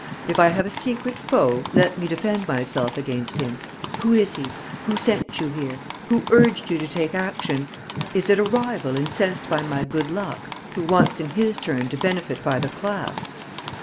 If I have a secret foe, let me defend myself against him! Who is he? Who sent you here? Who urged you to take action? Is it a rival incensed by my good luck, who wants in his turn to benefit by the clasp?